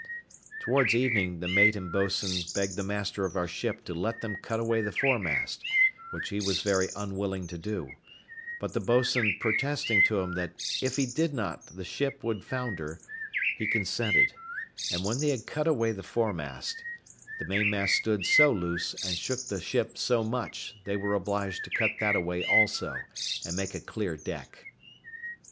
Towards evening the mate and boatswain begged the master of our ship to let them cut away the fore mast, which he was very unwilling to do; but the boatswain protesting to him that if he did not the ship would founder, he consented; and when they had cut away the fore mast, the main mast stood so loose, and shook the ship so much, they were obliged to cut that away also, and make a clear deck.